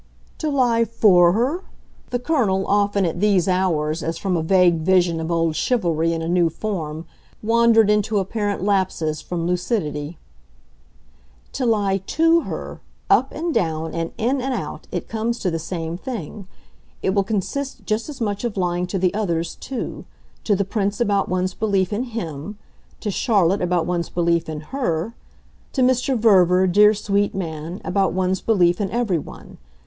"To lie 'for' her?" The Colonel often, at these hours, as from a vague vision of old chivalry in a new form, wandered into apparent lapses from lucidity. "To lie TO her, up and down, and in and out it comes to the same thing. It will consist just as much of lying to the others too: to the Prince about one's belief in HIM; to Charlotte about one's belief in HER; to Mr. Verver, dear sweet man, about one's belief in everyone.